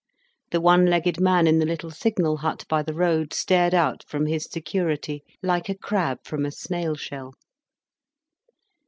The one legged man in the little signal hut by the road stared out from his security, like a crab from a snail shell.